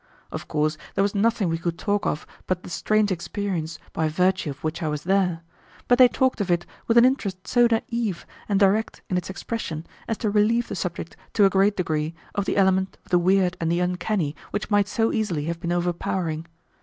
Of course there was nothing we could talk of but the strange experience by virtue of which I was there, but they talked of it with an interest so naive and direct in its expression as to relieve the subject to a great degree of the element of the weird and the uncanny which might so easily have been overpowering.